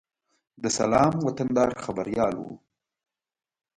د سلام وطندار خبریال و.